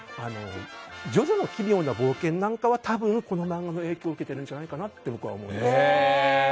「ジョジョの奇妙な冒険」なんかは多分、この漫画の影響を受けているんじゃないかと僕は思っています。